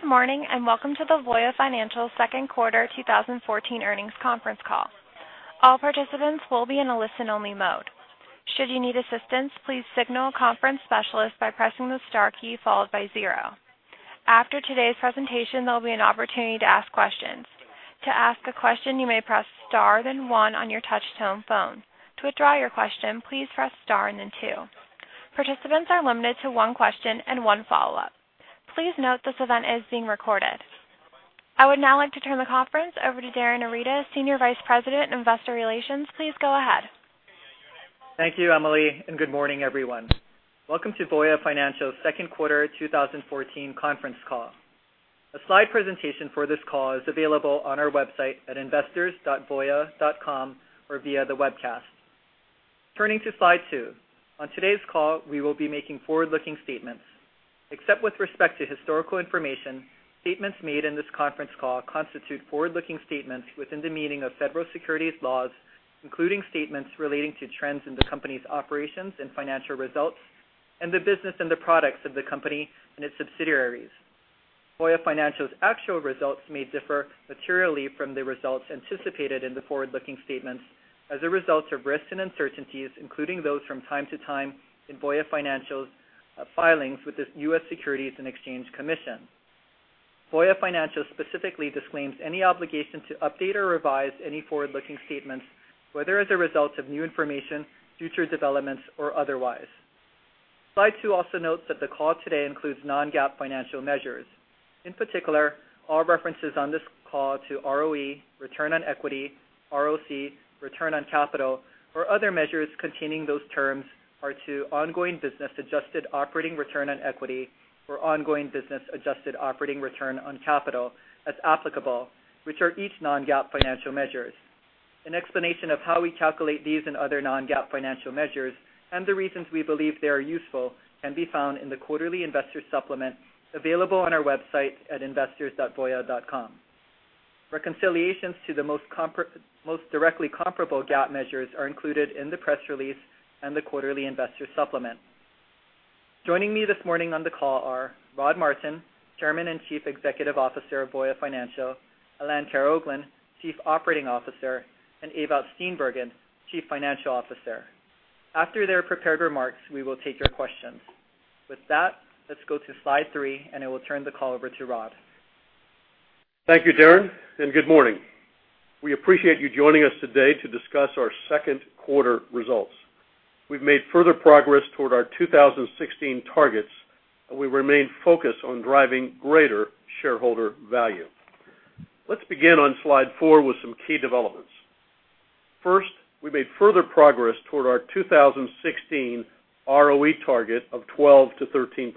Good morning. Welcome to the Voya Financial second quarter 2014 earnings conference call. All participants will be in a listen-only mode. Should you need assistance, please signal a conference specialist by pressing the star key followed by 0. After today's presentation, there'll be an opportunity to ask questions. To ask a question, you may press star, then 1 on your touch-tone phone. To withdraw your question, please press star and then 2. Participants are limited to one question and one follow-up. Please note this event is being recorded. I would now like to turn the conference over to Darin Arita, Senior Vice President of Investor Relations. Please go ahead. Thank you, Emily. Good morning, everyone. Welcome to Voya Financial second quarter 2014 conference call. A slide presentation for this call is available on our website at investors.voya.com or via the webcast. Turning to slide two. On today's call, we will be making forward-looking statements. Except with respect to historical information, statements made in this conference call constitute forward-looking statements within the meaning of federal securities laws, including statements relating to trends in the company's operations and financial results and the business and the products of the company and its subsidiaries. Voya Financial's actual results may differ materially from the results anticipated in the forward-looking statements as a result of risks and uncertainties, including those from time to time in Voya Financial's filings with the U.S. Securities and Exchange Commission. Voya Financial specifically disclaims any obligation to update or revise any forward-looking statements, whether as a result of new information, future developments or otherwise. Slide two also notes that the call today includes non-GAAP financial measures. In particular, all references on this call to ROE, return on equity, ROC, return on capital, or other measures containing those terms are to ongoing business adjusted operating return on equity or ongoing business adjusted operating return on capital, as applicable, which are each non-GAAP financial measures. An explanation of how we calculate these and other non-GAAP financial measures and the reasons we believe they are useful can be found in the quarterly investor supplement available on our website at investors.voya.com. Reconciliations to the most directly comparable GAAP measures are included in the press release and the quarterly investor supplement. Joining me this morning on the call are Rodney Martin, Chairman and Chief Executive Officer of Voya Financial, Alain Karaoglan, Chief Operating Officer, and Ewout Steenbergen, Chief Financial Officer. After their prepared remarks, we will take your questions. With that, let's go to slide three. I will turn the call over to Rod. Thank you, Darin, good morning. We appreciate you joining us today to discuss our second quarter results. We've made further progress toward our 2016 targets. We remain focused on driving greater shareholder value. Let's begin on slide four with some key developments. First, we made further progress toward our 2016 ROE target of 12%-13%.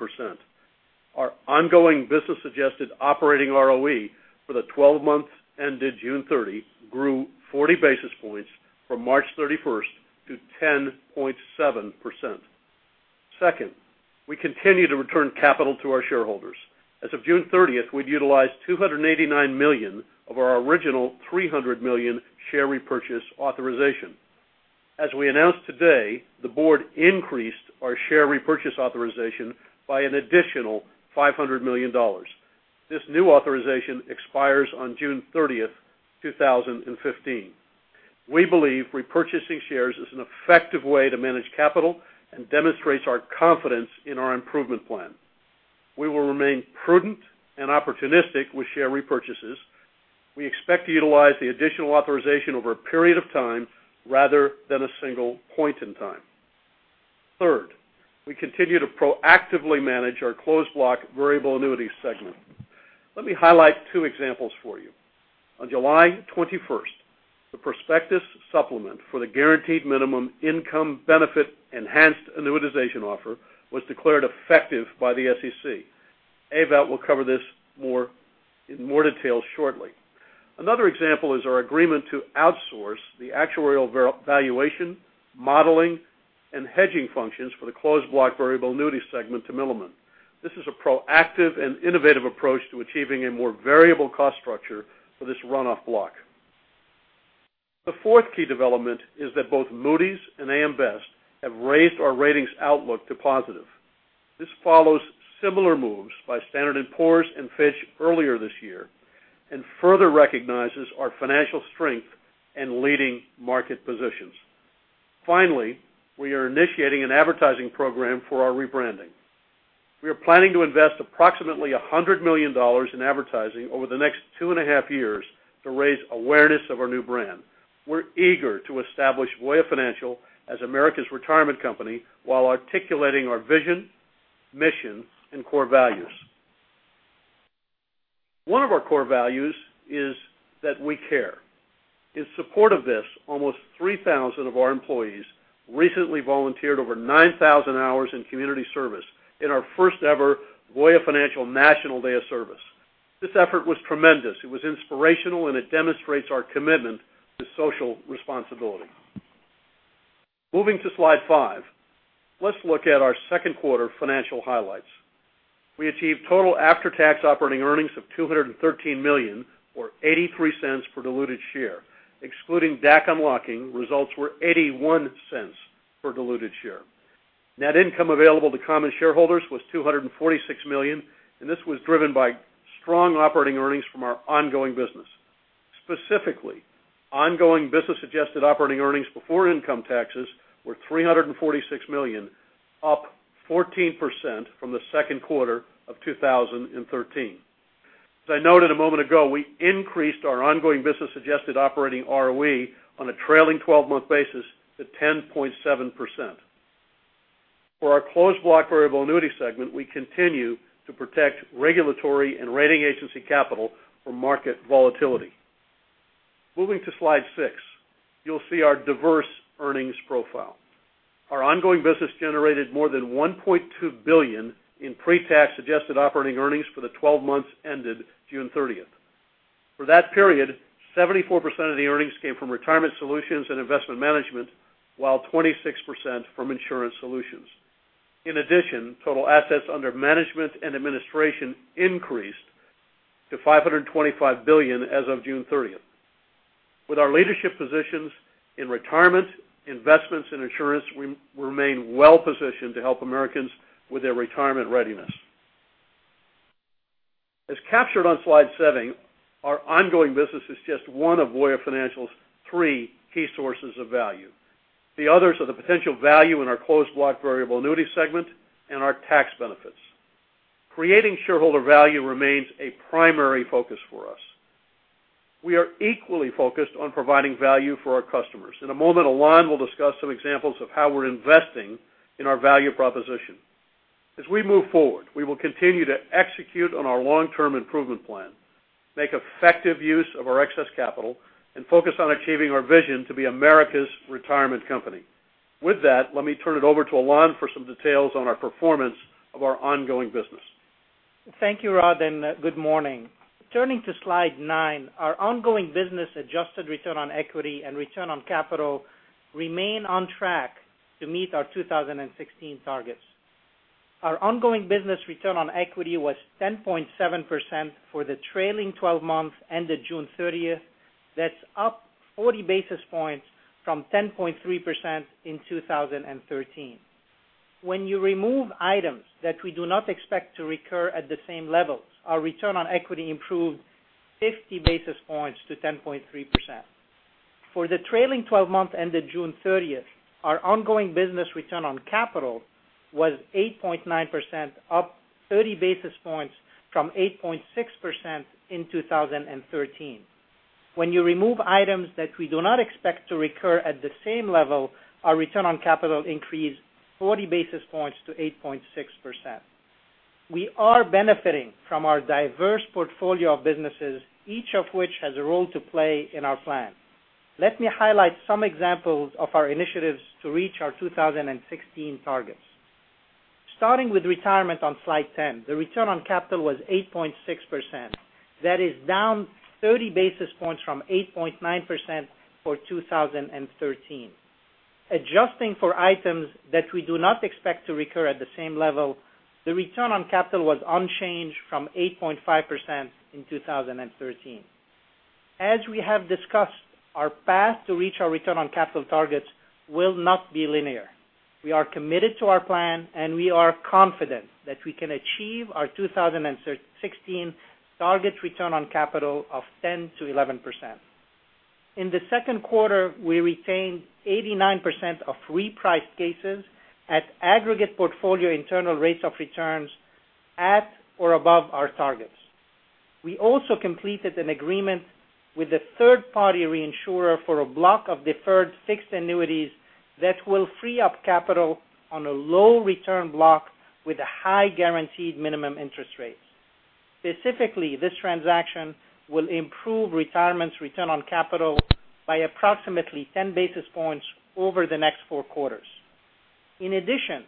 Our ongoing business suggested operating ROE for the 12 months ended June 30 grew 40 basis points from March 31 to 10.7%. Second, we continue to return capital to our shareholders. As of June 30, we'd utilized $289 million of our original $300 million share repurchase authorization. As we announced today, the board increased our share repurchase authorization by an additional $500 million. This new authorization expires on June 30, 2015. We believe repurchasing shares is an effective way to manage capital and demonstrates our confidence in our improvement plan. We will remain prudent and opportunistic with share repurchases. We expect to utilize the additional authorization over a period of time rather than a single point in time. Third, we continue to proactively manage our closed block variable annuity segment. Let me highlight two examples for you. On July 21, the prospectus supplement for the Guaranteed Minimum Income Benefit enhanced annuitization offer was declared effective by the SEC. Ewout will cover this in more detail shortly. Another example is our agreement to outsource the actuarial valuation, modeling, and hedging functions for the closed block variable annuity segment to Milliman. This is a proactive and innovative approach to achieving a more variable cost structure for this run-off block. The fourth key development is that both Moody's and AM Best have raised our ratings outlook to positive. This follows similar moves by Standard & Poor's and Fitch earlier this year. Further recognizes our financial strength and leading market positions. Finally, we are initiating an advertising program for our rebranding. We are planning to invest approximately $100 million in advertising over the next two and a half years to raise awareness of our new brand. We're eager to establish Voya Financial as America's Retirement Company while articulating our vision, mission, and core values. One of our core values is that we care. In support of this, almost 3,000 of our employees recently volunteered over 9,000 hours in community service in our first ever Voya Financial National Day of Service. This effort was tremendous. It was inspirational. It demonstrates our commitment to social responsibility. Moving to slide five, let's look at our second quarter financial highlights. We achieved total after-tax operating earnings of $213 million or $0.83 per diluted share. Excluding DAC unlocking, results were $0.81 per diluted share. Net income available to common shareholders was $246 million. This was driven by strong operating earnings from our ongoing business. Specifically, ongoing business-adjusted operating earnings before income taxes were $346 million, up 14% from the second quarter of 2013. As I noted a moment ago, we increased our ongoing business-adjusted operating ROE on a trailing 12-month basis to 10.7%. For our Closed Block Variable Annuity segment, we continue to protect regulatory and rating agency capital from market volatility. Moving to slide six, you'll see our diverse earnings profile. Our ongoing business generated more than $1.2 billion in pre-tax adjusted operating earnings for the 12 months ended June 30. For that period, 74% of the earnings came from Retirement Solutions and Investment Management, while 26% from Insurance Solutions. In addition, total assets under management and administration increased to $525 billion as of June 30. With our leadership positions in retirement, investments, and insurance, we remain well-positioned to help Americans with their retirement readiness. As captured on slide seven, our ongoing business is just one of Voya Financial's three key sources of value. The others are the potential value in our Closed Block Variable Annuity segment and our tax benefits. Creating shareholder value remains a primary focus for us. We are equally focused on providing value for our customers. In a moment, Alain will discuss some examples of how we're investing in our value proposition. As we move forward, we will continue to execute on our long-term improvement plan, make effective use of our excess capital, and focus on achieving our vision to be America's Retirement Company. With that, let me turn it over to Alain for some details on our performance of our ongoing business. Thank you, Rod, and good morning. Turning to slide nine, our ongoing business adjusted return on equity and return on capital remain on track to meet our 2016 targets. Our ongoing business return on equity was 10.7% for the trailing 12 months ended June 30. That's up 40 basis points from 10.3% in 2013. When you remove items that we do not expect to recur at the same levels, our return on equity improved 50 basis points to 10.3%. For the trailing 12 months ended June 30, our ongoing business return on capital was 8.9%, up 30 basis points from 8.6% in 2013. When you remove items that we do not expect to recur at the same level, our return on capital increased 40 basis points to 8.6%. We are benefiting from our diverse portfolio of businesses, each of which has a role to play in our plan. Let me highlight some examples of our initiatives to reach our 2016 targets. Starting with Retirement on slide 10, the return on capital was 8.6%. That is down 30 basis points from 8.9% for 2013. Adjusting for items that we do not expect to recur at the same level, the return on capital was unchanged from 8.5% in 2013. As we have discussed, our path to reach our return on capital targets will not be linear. We are committed to our plan, and we are confident that we can achieve our 2016 target return on capital of 10%-11%. In the second quarter, we retained 89% of reprice cases at aggregate portfolio internal rates of returns at or above our targets. We also completed an agreement with a third-party reinsurer for a block of deferred fixed annuities that will free up capital on a low return block with a high guaranteed minimum interest rate. Specifically, this transaction will improve Retirement's return on capital by approximately 10 basis points over the next four quarters. In addition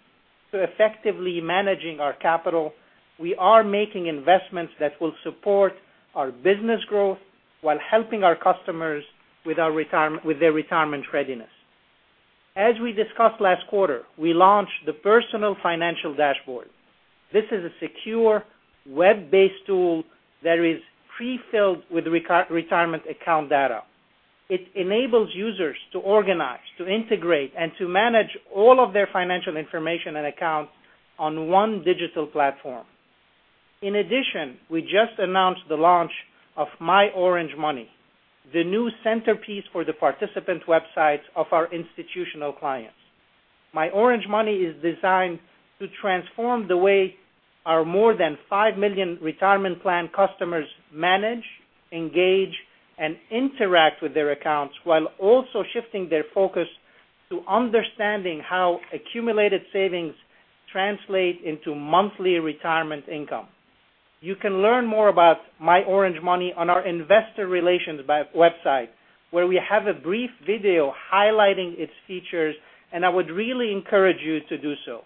to effectively managing our capital, we are making investments that will support our business growth while helping our customers with their retirement readiness. As we discussed last quarter, we launched the Personal Financial Dashboard. This is a secure, web-based tool that is prefilled with retirement account data. It enables users to organize, to integrate, and to manage all of their financial information and accounts on one digital platform. We just announced the launch of myOrangeMoney, the new centerpiece for the participant websites of our institutional clients. myOrangeMoney is designed to transform the way our more than 5 million retirement plan customers manage, engage, and interact with their accounts while also shifting their focus to understanding how accumulated savings translate into monthly retirement income. You can learn more about myOrangeMoney on our investor relations website, where we have a brief video highlighting its features. I would really encourage you to do so.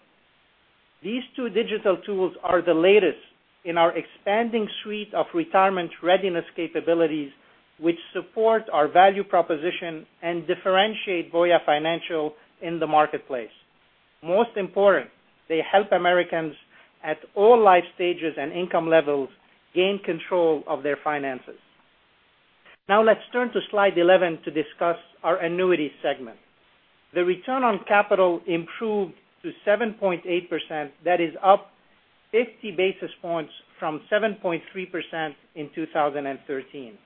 These two digital tools are the latest in our expanding suite of retirement readiness capabilities, which support our value proposition and differentiate Voya Financial in the marketplace. Most important, they help Americans at all life stages and income levels gain control of their finances. Let's turn to slide 11 to discuss our Annuities segment. The return on capital improved to 7.8%. That is up 50 basis points from 7.3% in 2013.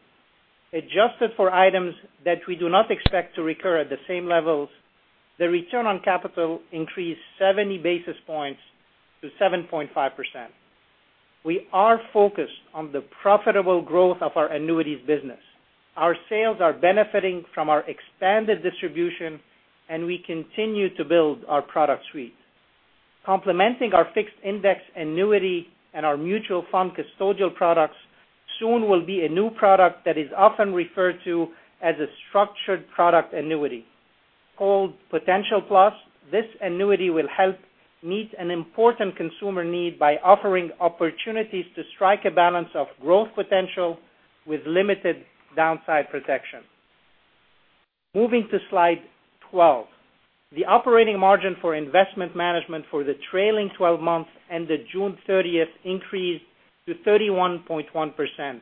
Adjusted for items that we do not expect to recur at the same levels, the return on capital increased 70 basis points to 7.5%. We are focused on the profitable growth of our Annuities business. Our sales are benefiting from our expanded distribution. We continue to build our product suite. Complementing our fixed index annuity and our mutual fund custodial products, soon will be a new product that is often referred to as a structured product annuity. Called Potential Plus, this annuity will help meet an important consumer need by offering opportunities to strike a balance of growth potential with limited downside protection. Moving to slide 12. The operating margin for Investment Management for the trailing 12 months ended June 30th increased to 31.1%.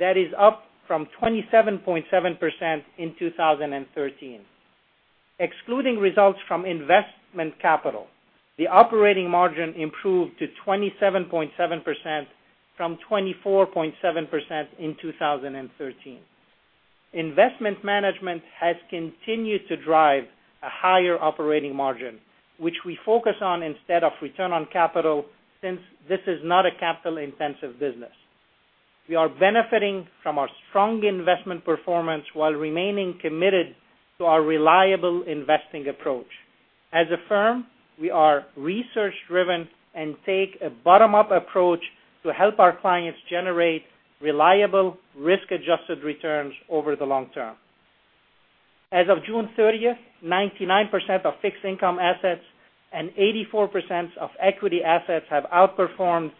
That is up from 27.7% in 2013. Excluding results from investment capital, the operating margin improved to 27.7%, from 24.7% in 2013. Investment Management has continued to drive a higher operating margin, which we focus on instead of return on capital, since this is not a capital-intensive business. We are benefiting from our strong investment performance while remaining committed to our reliable investing approach. As a firm, we are research-driven and take a bottom-up approach to help our clients generate reliable risk-adjusted returns over the long term. As of June 30th, 99% of fixed income assets and 84% of equity assets have outperformed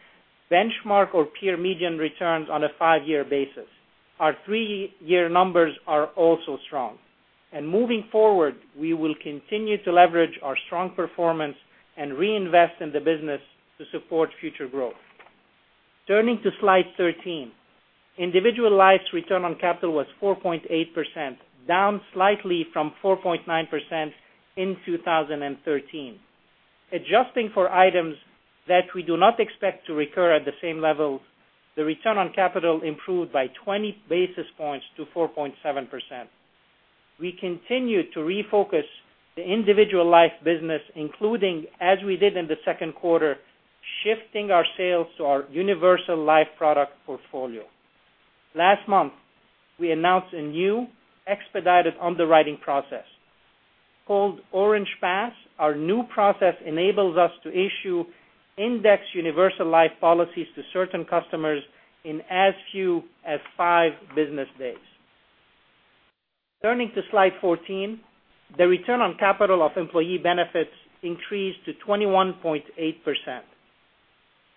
benchmark or peer median returns on a five-year basis. Our three-year numbers are also strong. Moving forward, we will continue to leverage our strong performance and reinvest in the business to support future growth. Turning to slide 13. Individual Life's return on capital was 4.8%, down slightly from 4.9% in 2013. Adjusting for items that we do not expect to recur at the same level, the return on capital improved by 20 basis points to 4.7%. We continue to refocus the Individual Life business, including, as we did in the second quarter, shifting our sales to our universal life product portfolio. Last month, we announced a new expedited underwriting process. Called Orange Pass, our new process enables us to issue indexed universal life policies to certain customers in as few as five business days. Turning to slide 14, the return on capital of Employee Benefits increased to 21.8%.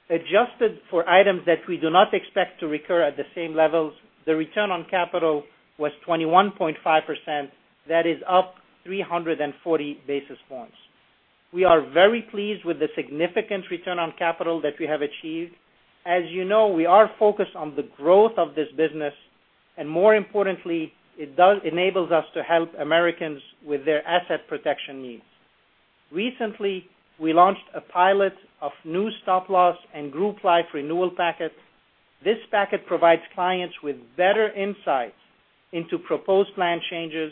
Adjusted for items that we do not expect to recur at the same levels, the return on capital was 21.5%. That is up 340 basis points. We are very pleased with the significant return on capital that we have achieved. As you know, we are focused on the growth of this business. More importantly, it enables us to help Americans with their asset protection needs. Recently, we launched a pilot of new stop-loss and group life renewal packet. This packet provides clients with better insights into proposed plan changes,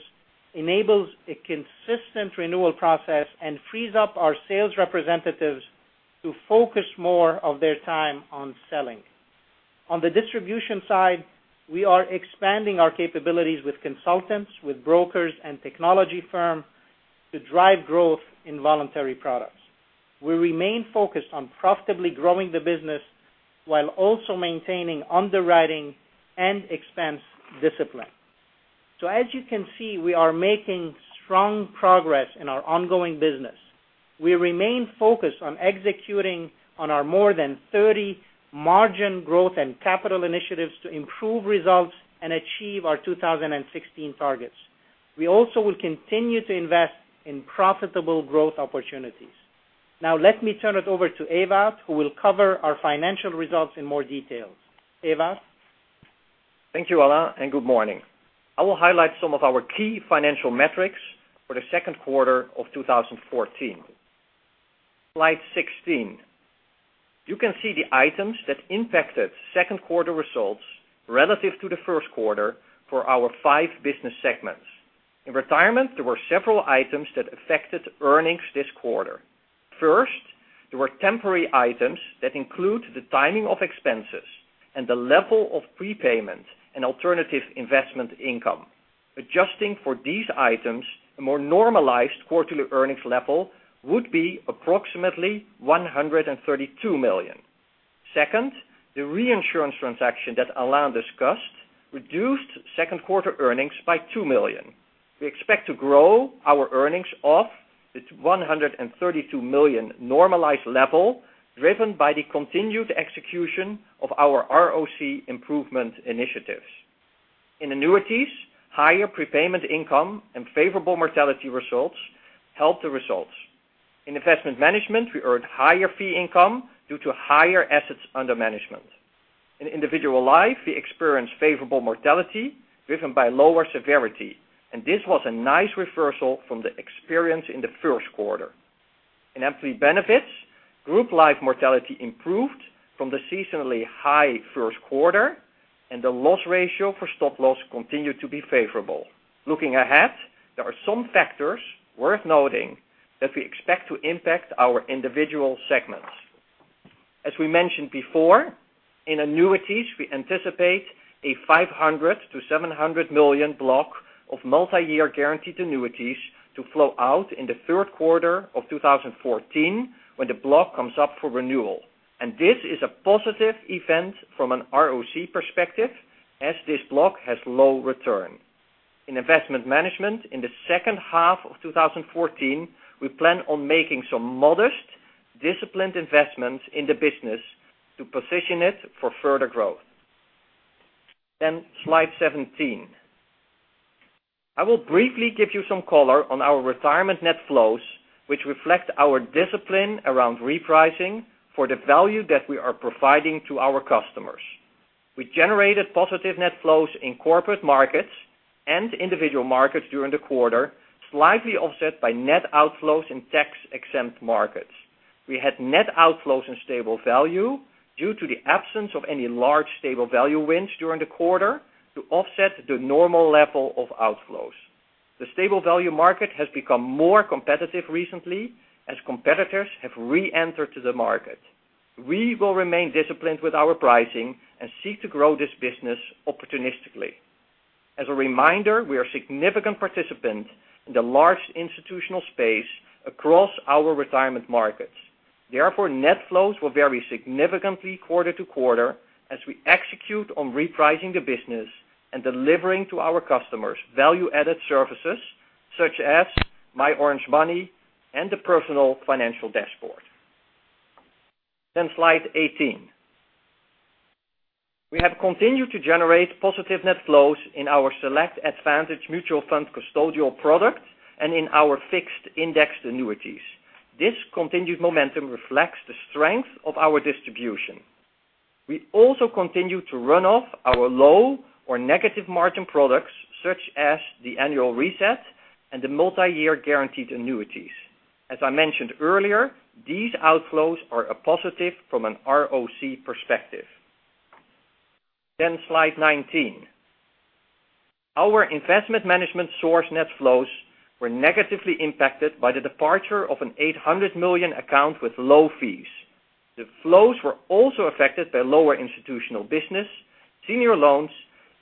enables a consistent renewal process, and frees up our sales representatives to focus more of their time on selling. On the distribution side, we are expanding our capabilities with consultants, with brokers, and technology firms to drive growth in voluntary products. We remain focused on profitably growing the business while also maintaining underwriting and expense discipline. As you can see, we are making strong progress in our ongoing business. We remain focused on executing on our more than 30 margin growth and capital initiatives to improve results and achieve our 2016 targets. We also will continue to invest in profitable growth opportunities. Now, let me turn it over to Ewout, who will cover our financial results in more details. Ewout? Thank you, Alain, and good morning. I will highlight some of our key financial metrics for the second quarter of 2014. Slide 16. You can see the items that impacted second quarter results relative to the first quarter for our five business segments. In Retirement, there were several items that affected earnings this quarter. First, there were temporary items that include the timing of expenses and the level of prepayment and alternative investment income. Adjusting for these items, a more normalized quarterly earnings level would be approximately $132 million. Second, the reinsurance transaction that Alain discussed reduced second-quarter earnings by $2 million. We expect to grow our earnings off the $132 million normalized level, driven by the continued execution of our ROC improvement initiatives. In Annuities, higher prepayment income and favorable mortality results helped the results. In Investment Management, we earned higher fee income due to higher assets under management. In Individual Life, we experienced favorable mortality driven by lower severity, and this was a nice reversal from the experience in the first quarter. In Employee Benefits, group life mortality improved from the seasonally high first quarter, and the loss ratio for stop-loss continued to be favorable. Looking ahead, there are some factors worth noting that we expect to impact our individual segments. As we mentioned before, in Annuities, we anticipate a $500 million-$700 million block of multi-year guaranteed annuities to flow out in the third quarter of 2014, when the block comes up for renewal. This is a positive event from an ROC perspective, as this block has low return. In Investment Management, in the second half of 2014, we plan on making some modest, disciplined investments in the business to position it for further growth. Slide 17. I will briefly give you some color on our Retirement net flows, which reflect our discipline around repricing for the value that we are providing to our customers. We generated positive net flows in corporate markets and individual markets during the quarter, slightly offset by net outflows in tax-exempt markets. We had net outflows in stable value due to the absence of any large stable value wins during the quarter to offset the normal level of outflows. The stable value market has become more competitive recently as competitors have reentered to the market. We will remain disciplined with our pricing and seek to grow this business opportunistically. As a reminder, we are a significant participant in the large institutional space across our Retirement markets. Net flows will vary significantly quarter to quarter as we execute on repricing the business and delivering to our customers value-added services such as myOrangeMoney and the Personal Financial Dashboard. Slide 18. We have continued to generate positive net flows in our Select Advantage mutual fund custodial product and in our fixed index annuities. This continued momentum reflects the strength of our distribution. We also continue to run off our low or negative margin products such as the annual reset and the multi-year guaranteed annuities. As I mentioned earlier, these outflows are a positive from an ROC perspective. Slide 19. Our Investment Management source net flows were negatively impacted by the departure of an $800 million account with low fees. The flows were also affected by lower institutional business, senior loans,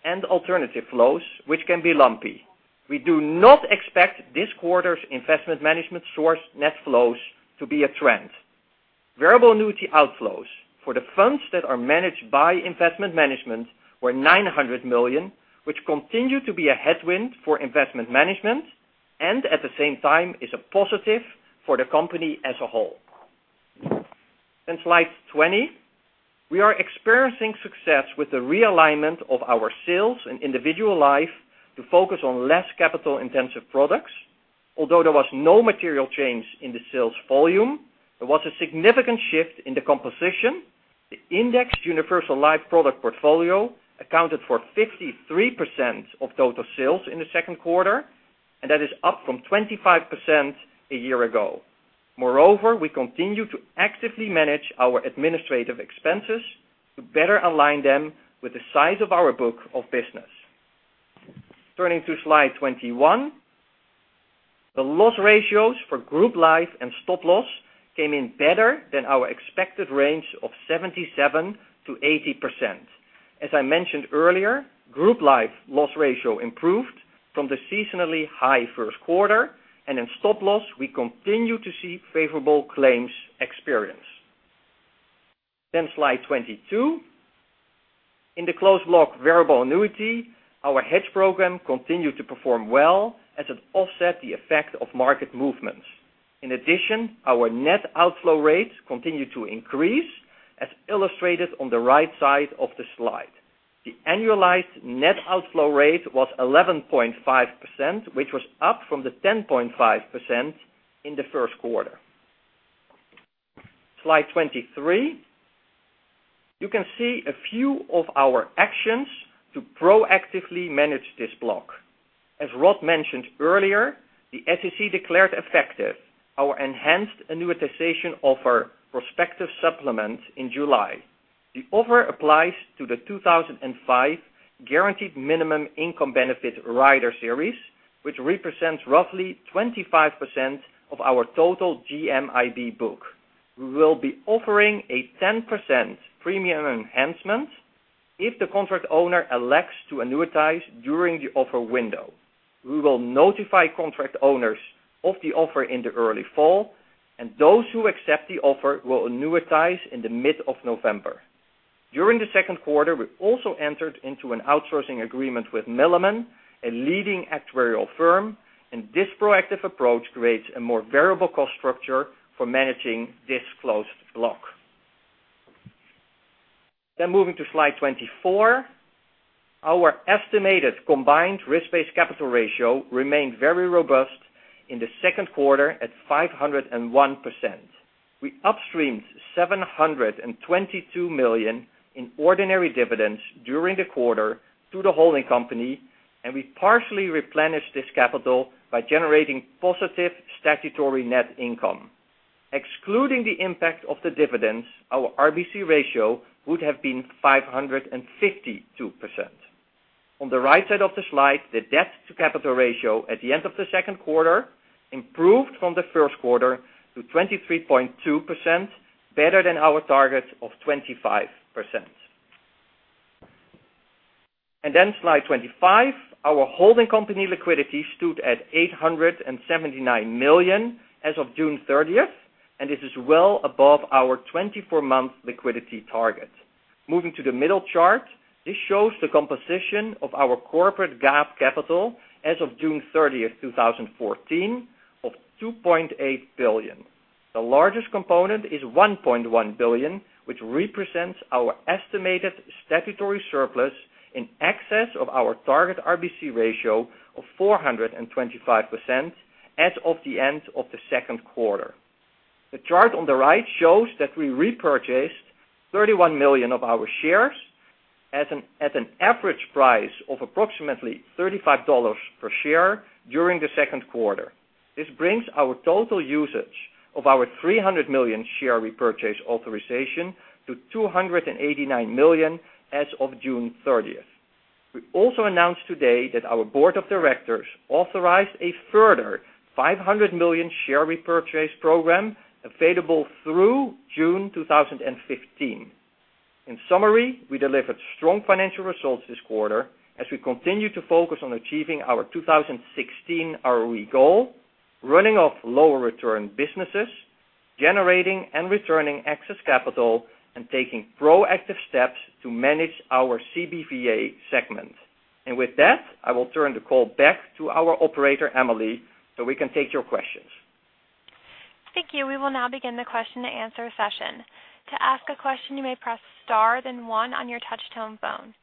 and alternative flows, which can be lumpy. We do not expect this quarter's Investment Management source net flows to be a trend. Variable annuity outflows for the funds that are managed by Investment Management were $900 million, which continue to be a headwind for Investment Management and at the same time is a positive for the company as a whole. Slide 20. We are experiencing success with the realignment of our sales in Individual Life to focus on less capital-intensive products. Although there was no material change in the sales volume, there was a significant shift in the composition. The indexed universal life product portfolio accounted for 53% of total sales in the second quarter, and that is up from 25% a year ago. Moreover, we continue to actively manage our administrative expenses to better align them with the size of our book of business. Turning to slide 21. The loss ratios for group life and stop-loss came in better than our expected range of 77%-80%. As I mentioned earlier, group life loss ratio improved from the seasonally high first quarter, and in stop-loss, we continue to see favorable claims experience. Slide 22. In the closed block variable annuity, our hedge program continued to perform well as it offset the effect of market movements. In addition, our net outflow rates continued to increase, as illustrated on the right side of the slide. The annualized net outflow rate was 11.5%, which was up from the 10.5% in the first quarter. Slide 23. You can see a few of our actions to proactively manage this block. As Rod mentioned earlier, the SEC declared effective our enhanced annuitization offer prospective supplement in July. The offer applies to the 2005 Guaranteed Minimum Income Benefit Rider series, which represents roughly 25% of our total GMIB book. We will be offering a 10% premium enhancement if the contract owner elects to annuitize during the offer window. We will notify contract owners of the offer in the early fall, and those who accept the offer will annuitize in the mid of November. During the second quarter, we also entered into an outsourcing agreement with Milliman, a leading actuarial firm. This proactive approach creates a more variable cost structure for managing this closed block. Moving to slide 24. Our estimated combined risk-based capital ratio remained very robust in the second quarter at 501%. We upstreamed $722 million in ordinary dividends during the quarter to the holding company. We partially replenished this capital by generating positive statutory net income. Excluding the impact of the dividends, our RBC ratio would have been 552%. On the right side of the slide, the debt-to-capital ratio at the end of the second quarter improved from the first quarter to 23.2%, better than our target of 25%. Slide 25. Our holding company liquidity stood at $879 million as of June 30th. This is well above our 24-month liquidity target. Moving to the middle chart, this shows the composition of our corporate GAAP capital as of June 30th, 2014, of $2.8 billion. The largest component is $1.1 billion, which represents our estimated statutory surplus in excess of our target RBC ratio of 425% as of the end of the second quarter. The chart on the right shows that we repurchased 31 million of our shares at an average price of approximately $35 per share during the second quarter. This brings our total usage of our 300 million share repurchase authorization to 289 million as of June 30th. We also announced today that our board of directors authorized a further 500 million share repurchase program available through June 2015. In summary, we delivered strong financial results this quarter as we continue to focus on achieving our 2016 ROE goal, running off lower return businesses, generating and returning excess capital, and taking proactive steps to manage our CBVA segment. With that, I will turn the call back to our operator, Emily, so we can take your questions. Thank you. We will now begin the question and answer session. To ask a question, you may press star then one on your touch-tone phone.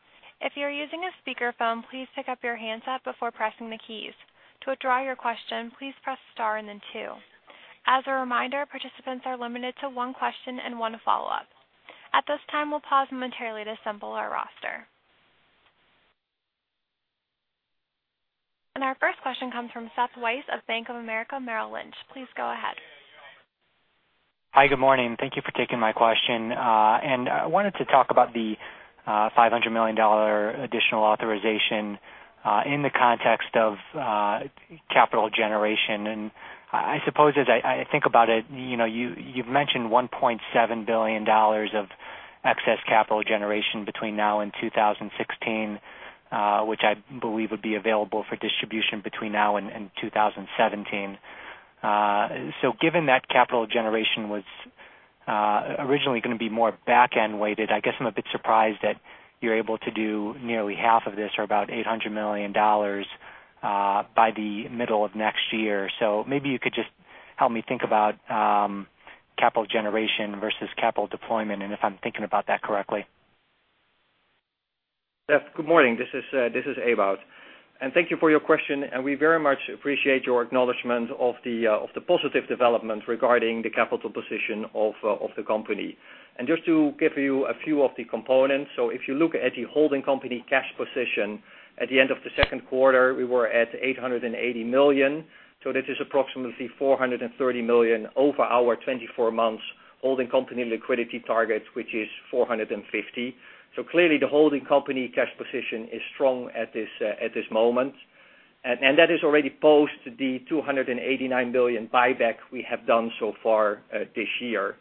If you are using a speakerphone, please pick up your handset before pressing the keys. To withdraw your question, please press star and then two. As a reminder, participants are limited to one question and one follow-up. At this time, we'll pause momentarily to assemble our roster. Our first question comes from Seth Weiss of Bank of America Merrill Lynch. Please go ahead. Hi, good morning. Thank you for taking my question. I wanted to talk about the $500 million additional authorization in the context of capital generation. I suppose as I think about it, you've mentioned $1.7 billion of excess capital generation between now and 2016, which I believe would be available for distribution between now and 2017. Given that capital generation was originally going to be more back-end weighted, I guess I'm a bit surprised that you're able to do nearly half of this, or about $800 million, by the middle of next year. Maybe you could just help me think about capital generation versus capital deployment and if I'm thinking about that correctly. Seth, good morning. This is Ewout. Thank you for your question, and we very much appreciate your acknowledgement of the positive development regarding the capital position of the company. Just to give you a few of the components. If you look at the holding company cash position, at the end of the second quarter, we were at $880 million. This is approximately $430 million over our 24 months holding company liquidity target, which is $450 million. Clearly the holding company cash position is strong at this moment. That is already post the $289 million buyback we have done so far this year.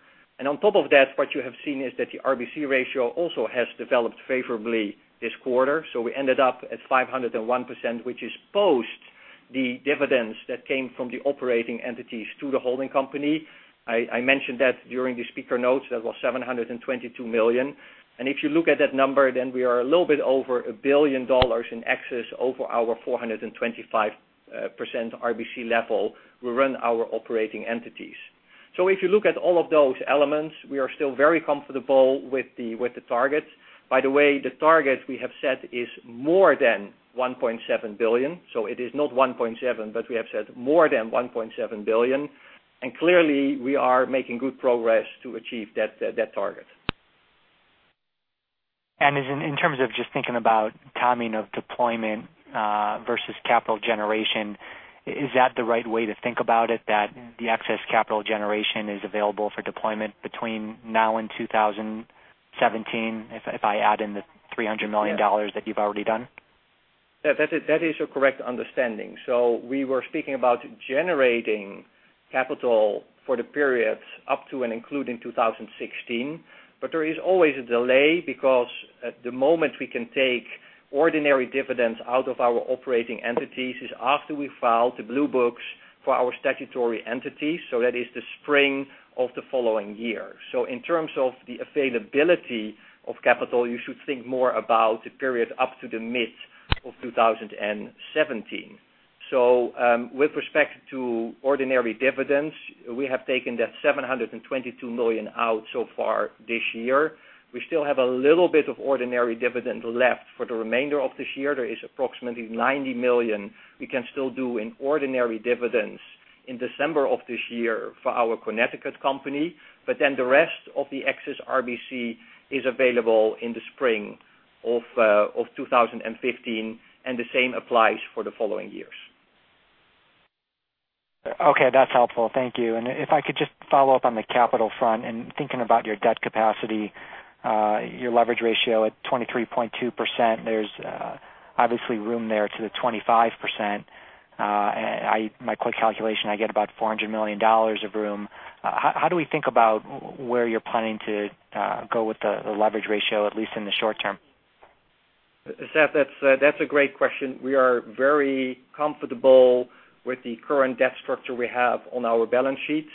On top of that, what you have seen is that the RBC ratio also has developed favorably this quarter. We ended up at 501%, which is post the dividends that came from the operating entities to the holding company. I mentioned that during the speaker notes. That was $722 million. If you look at that number, then we are a little bit over $1 billion in excess over our 425% RBC level. We run our operating entities. If you look at all of those elements, we are still very comfortable with the targets. By the way, the target we have set is more than $1.7 billion. It is not $1.7 billion, but we have said more than $1.7 billion. Clearly, we are making good progress to achieve that target. In terms of just thinking about timing of deployment versus capital generation, is that the right way to think about it, that the excess capital generation is available for deployment between now and 2017 if I add in the $300 million that you've already done? Yeah. That is a correct understanding. We were speaking about generating capital for the periods up to and including 2016. There is always a delay because at the moment we can take ordinary dividends out of our operating entities is after we file the Blue Books for our statutory entities. That is the spring of the following year. In terms of the availability of capital, you should think more about the period up to the mid of 2017. With respect to ordinary dividends, we have taken that $722 million out so far this year. We still have a little bit of ordinary dividend left for the remainder of this year. There is approximately $90 million we can still do in ordinary dividends in December of this year for our Connecticut company. The rest of the excess RBC is available in the spring of 2015, and the same applies for the following years. Okay. That's helpful. Thank you. If I could just follow up on the capital front and thinking about your debt capacity, your leverage ratio at 23.2%, there's obviously room there to the 25%. My quick calculation, I get about $400 million of room. How do we think about where you're planning to go with the leverage ratio, at least in the short term? Seth, that's a great question. We are very comfortable with the current debt structure we have on our balance sheet.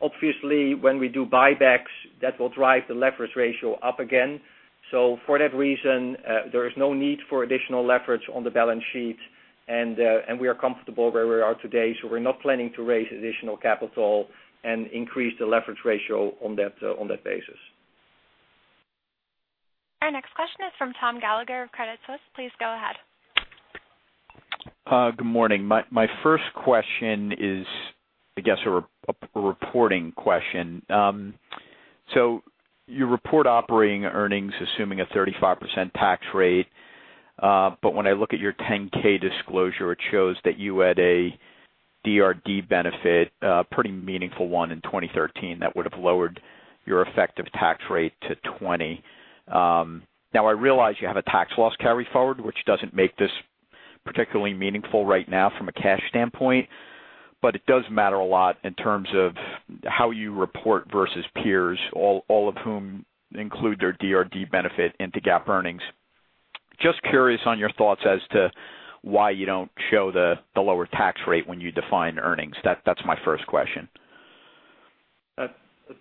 Obviously, when we do buybacks, that will drive the leverage ratio up again. For that reason, there is no need for additional leverage on the balance sheet, and we are comfortable where we are today. We're not planning to raise additional capital and increase the leverage ratio on that basis. Our next question is from Thomas Gallagher of Credit Suisse. Please go ahead. Good morning. My first question is, I guess, a reporting question. You report operating earnings, assuming a 35% tax rate. When I look at your 10-K disclosure, it shows that you had a DRD benefit, a pretty meaningful one in 2013 that would have lowered your effective tax rate to 20%. I realize you have a tax loss carry-forward, which doesn't make this particularly meaningful right now from a cash standpoint, but it does matter a lot in terms of how you report versus peers, all of whom include their DRD benefit into GAAP earnings. Just curious on your thoughts as to why you don't show the lower tax rate when you define earnings. That's my first question.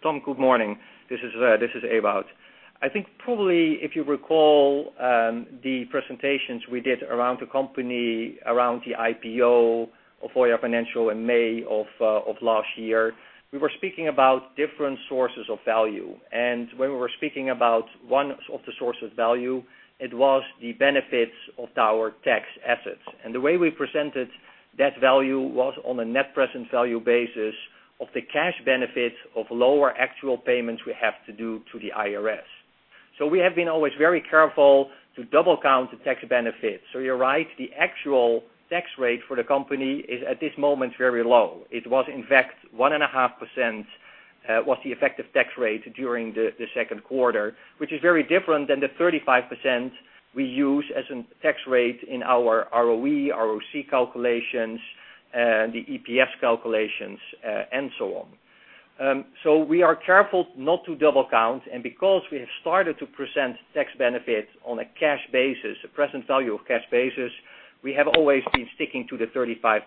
Tom, good morning. This is Ewout. I think probably if you recall the presentations we did around the company, around the IPO of Voya Financial in May of last year, we were speaking about different sources of value. When we were speaking about one of the sources of value, it was the benefits of our tax assets. The way we presented that value was on a net present value basis of the cash benefits of lower actual payments we have to do to the IRS. We have been always very careful to double count the tax benefits. You're right, the actual tax rate for the company is, at this moment, very low. It was, in fact, 1.5% was the effective tax rate during the second quarter, which is very different than the 35% we use as a tax rate in our ROE, ROC calculations, the EPS calculations, and so on. We are careful not to double count, and because we have started to present tax benefits on a cash basis, a present value of cash basis, we have always been sticking to the 35%.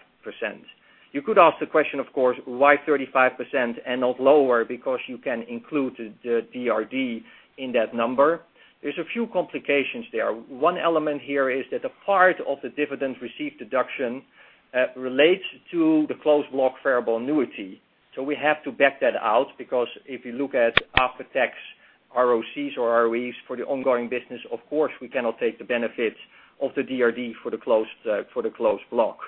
You could ask the question, of course, why 35% and not lower, because you can include the DRD in that number. There's a few complications there. One element here is that a part of the dividend received deduction relates to the closed block variable annuity. We have to back that out, because if you look at after-tax ROCs or ROEs for the ongoing business, of course, we cannot take the benefits of the DRD for the closed block.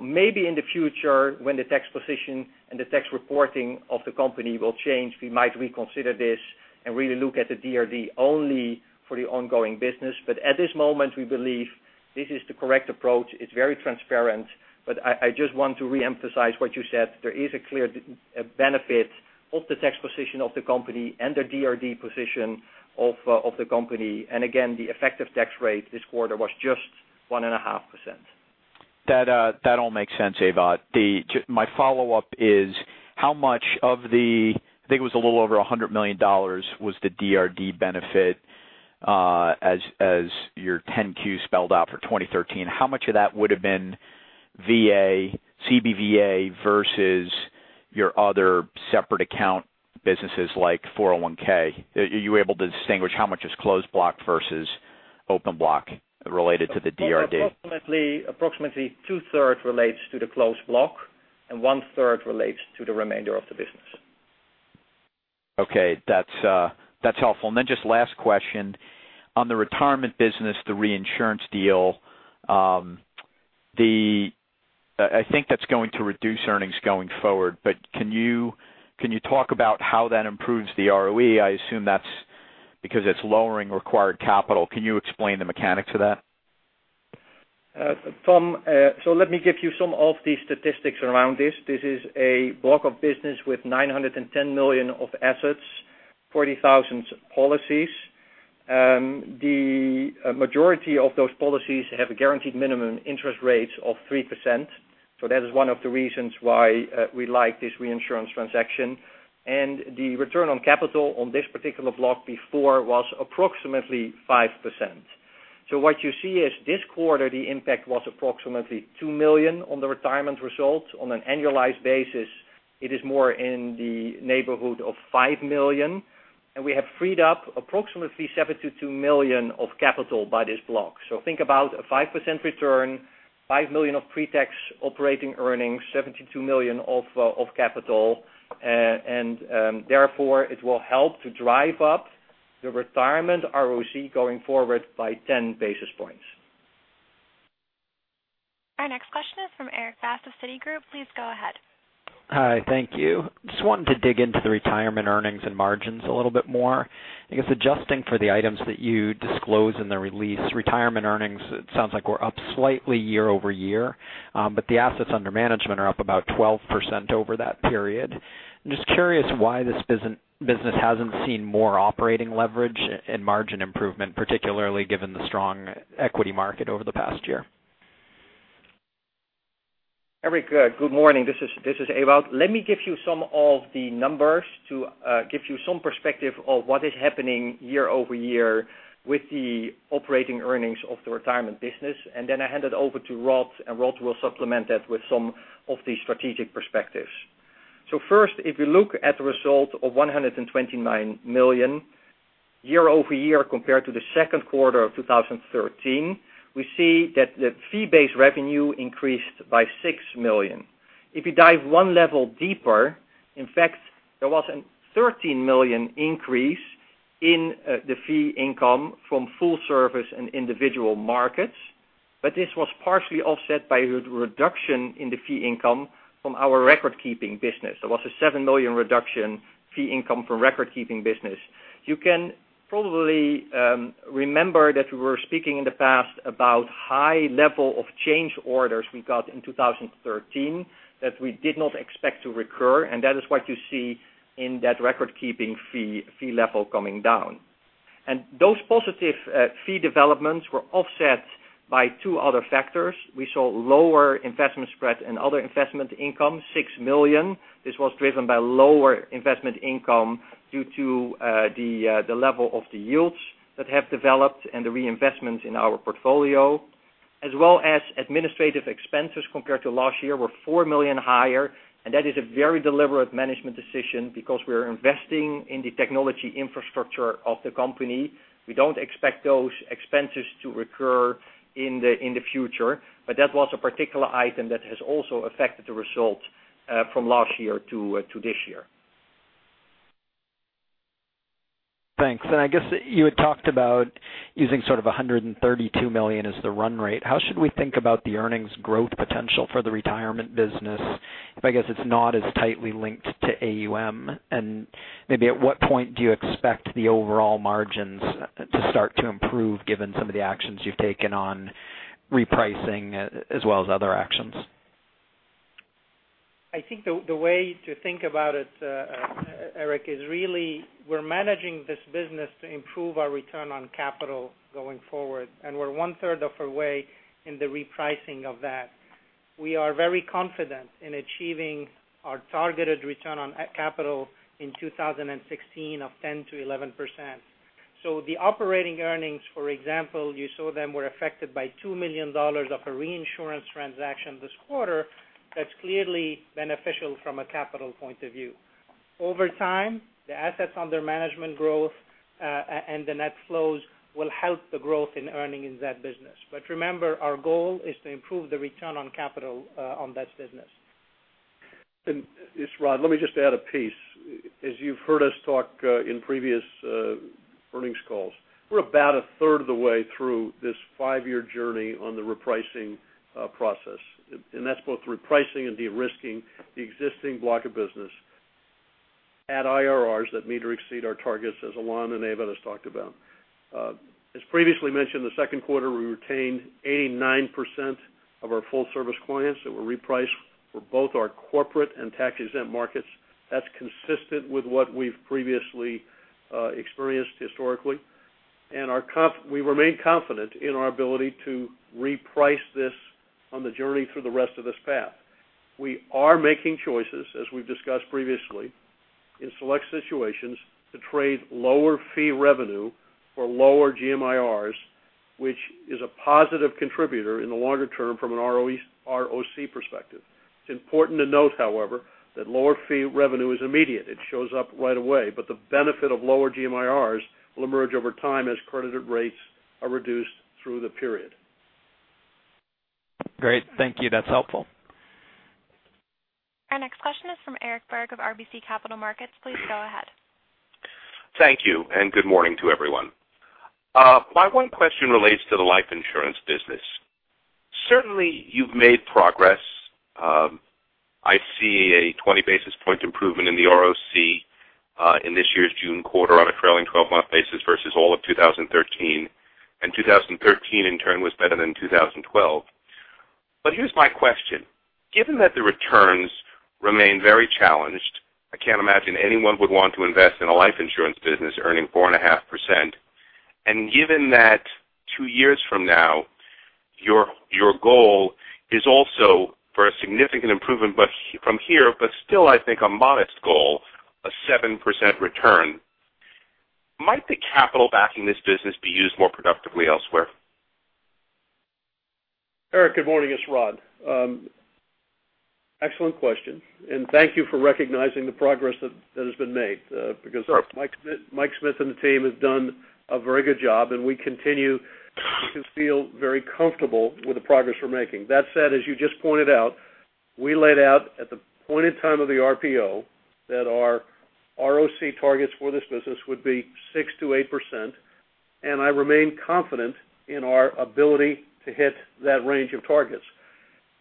Maybe in the future, when the tax position and the tax reporting of the company will change, we might reconsider this and really look at the DRD only for the ongoing business. At this moment, we believe this is the correct approach. It's very transparent. I just want to re-emphasize what you said. There is a clear benefit of the tax position of the company and the DRD position of the company. Again, the effective tax rate this quarter was just 1.5%. That all makes sense, Ewout. My follow-up is, I think it was a little over $100 million was the DRD benefit as your 10-Q spelled out for 2013. How much of that would have been VA, CBVA, versus your other separate account businesses, like 401? Are you able to distinguish how much is closed block versus open block related to the DRD? Approximately two-thirds relates to the closed block. One-third relates to the remainder of the business. Okay. That's helpful. Just last question. On the Retirement business, the reinsurance deal, I think that's going to reduce earnings going forward. Can you talk about how that improves the ROE? I assume that's because it's lowering required capital. Can you explain the mechanics of that? Tom. Let me give you some of the statistics around this. This is a block of business with $910 million of assets, 40,000 policies. The majority of those policies have guaranteed minimum interest rates of 3%. That is one of the reasons why we like this reinsurance transaction. The return on capital on this particular block before was approximately 5%. What you see is this quarter, the impact was approximately $2 million on the Retirement results. On an annualized basis, it is more in the neighborhood of $5 million. We have freed up approximately $72 million of capital by this block. Think about a 5% return, $5 million of pre-tax operating earnings, $72 million of capital, and therefore it will help to drive up the Retirement ROC going forward by 10 basis points. Our next question is from Erik Bass of Citigroup. Please go ahead. Hi. Thank you. Just wanted to dig into the Retirement earnings and margins a little bit more. I guess adjusting for the items that you disclose in the release, Retirement earnings, it sounds like we're up slightly year-over-year, but the assets under management are up about 12% over that period. I'm just curious why this business hasn't seen more operating leverage and margin improvement, particularly given the strong equity market over the past year. Erik, good morning. This is Ewout. Let me give you some of the numbers to give you some perspective of what is happening year-over-year with the operating earnings of the Retirement business. Then I hand it over to Rod, and Rod will supplement that with some of the strategic perspectives. First, if you look at the result of $129 million year-over-year compared to the second quarter of 2013, we see that the fee-based revenue increased by $6 million. If you dive 1 level deeper, in fact, there was a $13 million increase in the fee income from full service and individual markets, but this was partially offset by the reduction in the fee income from our record-keeping business. There was a $7 million reduction fee income from record-keeping business. You can probably remember that we were speaking in the past about high level of change orders we got in 2013 that we did not expect to recur, and that is what you see in that record-keeping fee level coming down. Those positive fee developments were offset by two other factors. We saw lower investment spreads and other investment income, $6 million. This was driven by lower investment income due to the level of the yields that have developed and the reinvestments in our portfolio, as well as administrative expenses compared to last year were $4 million higher, and that is a very deliberate management decision because we're investing in the technology infrastructure of the company. We don't expect those expenses to recur in the future. That was a particular item that has also affected the results from last year to this year. Thanks. I guess you had talked about using sort of $132 million as the run rate. How should we think about the earnings growth potential for the Retirement business if, I guess, it's not as tightly linked to AUM? Maybe at what point do you expect the overall margins to start to improve given some of the actions you've taken on repricing as well as other actions? I think the way to think about it, Eric, is really we're managing this business to improve our return on capital going forward, and we're one-third of our way in the repricing of that. We are very confident in achieving our targeted return on capital in 2016 of 10%-11%. The operating earnings, for example, you saw them were affected by $2 million of a reinsurance transaction this quarter, that's clearly beneficial from a capital point of view. Over time, the assets under management growth, and the net flows will help the growth in earning in that business. Remember, our goal is to improve the return on capital on that business. It's Rod. Let me just add a piece. As you've heard us talk in previous earnings calls, we're about a third of the way through this five-year journey on the repricing process. That's both repricing and de-risking the existing block of business at IRRs that meet or exceed our targets, as Alain and Ewout has talked about. As previously mentioned, the second quarter, we retained 89% of our full service clients that were repriced for both our corporate and tax-exempt markets. That's consistent with what we've previously experienced historically. We remain confident in our ability to reprice this on the journey through the rest of this path. We are making choices, as we've discussed previously, in select situations to trade lower fee revenue for lower GMIRs, which is a positive contributor in the longer term from an ROC perspective. It's important to note, however, that lower fee revenue is immediate. It shows up right away, but the benefit of lower GMIRs will emerge over time as credited rates are reduced through the period. Great. Thank you. That's helpful. Our next question is from Eric Berg of RBC Capital Markets. Please go ahead. Thank you. Good morning to everyone. My one question relates to the life insurance business. Certainly, you've made progress. I see a 20-basis-point improvement in the ROC in this year's June quarter on a trailing 12-month basis versus all of 2013. 2013 in turn was better than 2012. Here's my question. Given that the returns remain very challenged, I cannot imagine anyone would want to invest in a life insurance business earning 4.5%, and given that two years from now, your goal is also for a significant improvement from here, but still I think a modest goal, a 7% return. Might the capital backing this business be used more productively elsewhere? Eric, good morning. It's Rod. Excellent question. Thank you for recognizing the progress that has been made because Michael Smith and the team have done a very good job, and we continue to feel very comfortable with the progress we are making. That said, as you just pointed out, we laid out at the point in time of the IPO that our ROC targets for this business would be 6%-8%, and I remain confident in our ability to hit that range of targets.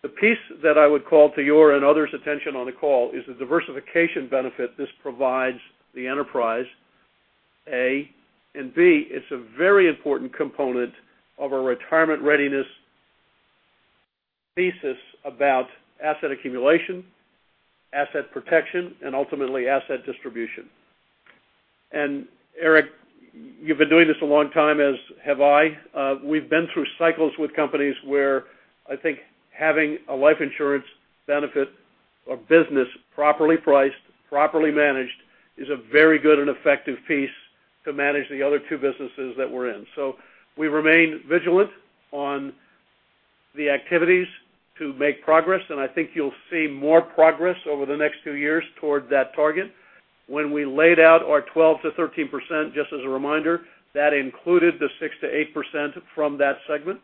The piece that I would call to your and others' attention on the call is the diversification benefit this provides the enterprise, A, and B, it is a very important component of our retirement readiness thesis about asset accumulation, asset protection, and ultimately asset distribution. Eric, you have been doing this a long time, as have I. We have been through cycles with companies where I think having a life insurance benefit or business properly priced, properly managed is a very good and effective piece to manage the other two businesses that we are in. We remain vigilant on the activities to make progress, and I think you will see more progress over the next two years toward that target. When we laid out our 12%-13%, just as a reminder, that included the 6%-8% from that segment.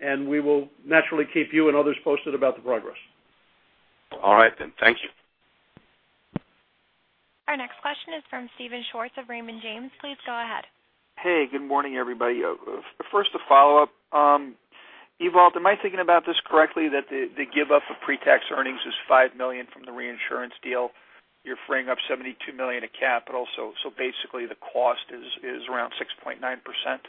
We will naturally keep you and others posted about the progress. All right. Thank you. Our next question is from Steven Schwartz of Raymond James. Please go ahead. Hey, good morning, everybody. First, a follow-up. Ewout, am I thinking about this correctly, that the give up of pre-tax earnings is $5 million from the reinsurance deal? You're freeing up $72 million of capital, so basically the cost is around 6.9%?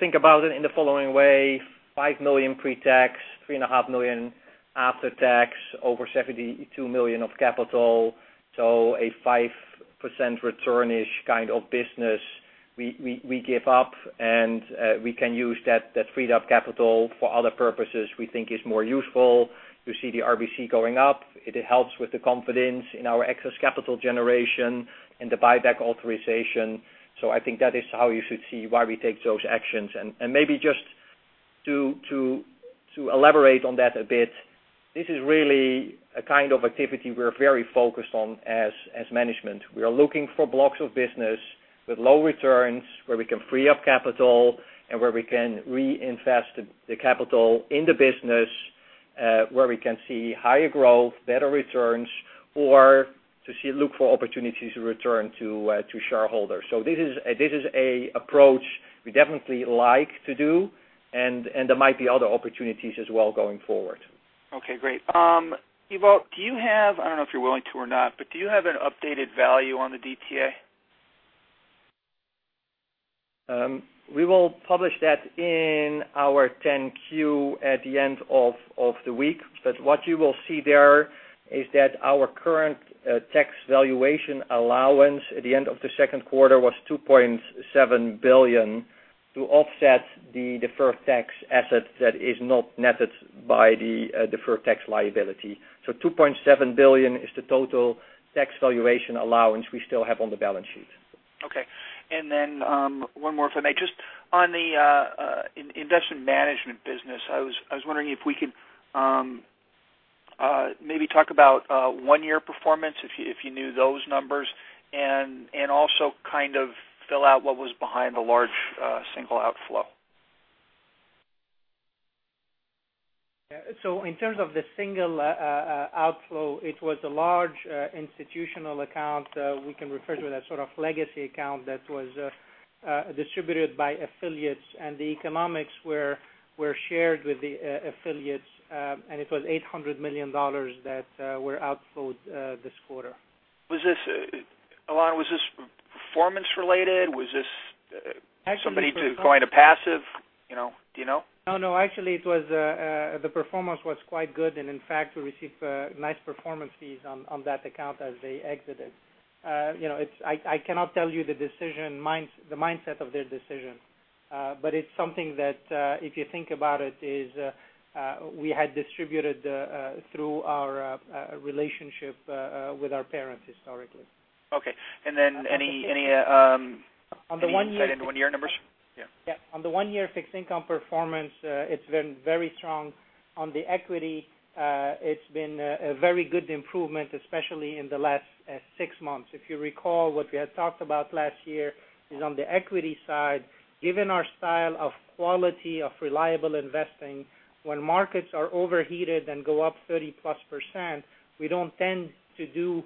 Think about it in the following way. $5 million pre-tax, $3.5 million after tax, over $72 million of capital. A 5% return-ish kind of business we give up, and we can use that freed up capital for other purposes we think is more useful. You see the RBC going up. It helps with the confidence in our excess capital generation and the buyback authorization. I think that is how you should see why we take those actions. Maybe just to elaborate on that a bit, this is really a kind of activity we're very focused on as management. We are looking for blocks of business with low returns, where we can free up capital and where we can reinvest the capital in the business, where we can see higher growth, better returns, or to look for opportunities to return to shareholders. This is an approach we definitely like to do, and there might be other opportunities as well going forward. Okay, great. Ewout, do you have, I don't know if you're willing to or not, but do you have an updated value on the DTA? We will publish that in our 10-Q at the end of the week. What you will see there is that our current tax valuation allowance at the end of the second quarter was $2.7 billion to offset the deferred tax asset that is not netted by the deferred tax liability. $2.7 billion is the total tax valuation allowance we still have on the balance sheet. Okay. One more if I may. Just on the Investment Management business, I was wondering if we could maybe talk about one-year performance, if you knew those numbers, and also kind of fill out what was behind the large single outflow. In terms of the single outflow, it was a large institutional account. We can refer to it as sort of legacy account that was distributed by affiliates, and the economics were shared with the affiliates. It was $800 million that were outflowed this quarter. Alain, was this performance related? Was this somebody just going to passive? Do you know? No. Actually, the performance was quite good. In fact, we received nice performance fees on that account as they exited. I cannot tell you the mindset of their decision. It's something that, if you think about it, is we had distributed through our relationship with our parents historically. Okay. Then any insight into one-year numbers? Yeah. Yeah. On the one-year fixed income performance, it's been very strong. On the equity, it's been a very good improvement, especially in the last six months. If you recall, what we had talked about last year is on the equity side, given our style of quality of reliable investing, when markets are overheated and go up 30+%, we don't tend to do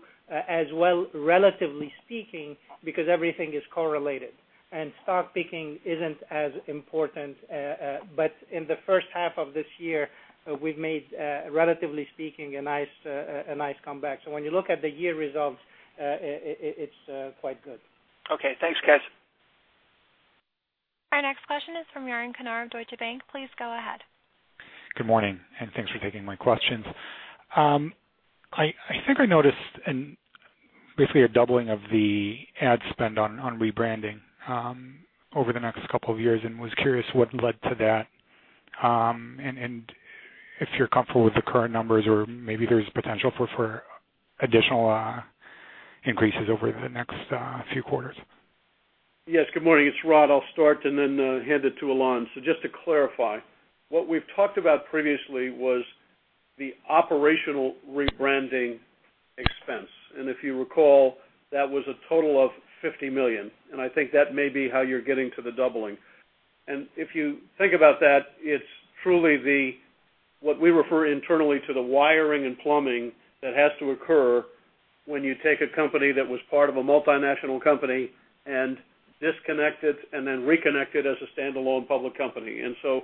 as well, relatively speaking, because everything is correlated, and stock picking isn't as important. In the first half of this year, we've made, relatively speaking, a nice comeback. When you look at the year results, it's quite good. Okay, thanks guys. Our next question is from Yaron Kinar of Deutsche Bank. Please go ahead. Good morning, thanks for taking my questions. I think I noticed basically a doubling of the ad spend on rebranding over the next couple of years and was curious what led to that. If you're comfortable with the current numbers or maybe there's potential for additional increases over the next few quarters. Yes. Good morning. It's Rod. I'll start, then hand it to Alain. Just to clarify, what we've talked about previously was the operational rebranding expense. If you recall, that was a total of $50 million, I think that may be how you're getting to the doubling. If you think about that, it's truly what we refer internally to the wiring and plumbing that has to occur when you take a company that was part of a multinational company and disconnect it, then reconnect it as a standalone public company. So,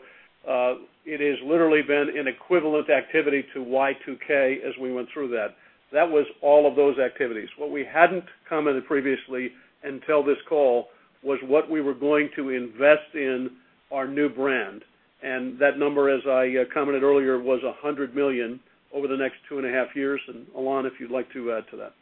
it has literally been an equivalent activity to Y2K as we went through that. That was all of those activities. What we hadn't commented previously until this call was what we were going to invest in our new brand, and that number, as I commented earlier, was $100 million over the next two and a half years. Alain, if you'd like to add to that.